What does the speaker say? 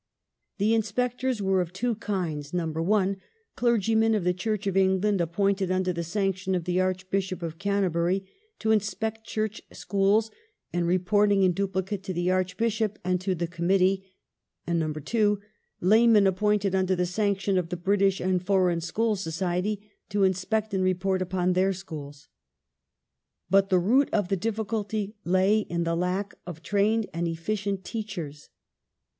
The Inspectors were of two kinds: (1) clergymen of the Church of England appointed under the sanction of the Archbishop of Canterbury to inspect Church schools, and reporting in duplicate to the Arch bishop and to the Committee ; and (2) laymen appointed under the sanction of the British and Foreign School Society to inspect and report upon their schools. But the root of the difficulty lay in the lack of trained and efficient teachers.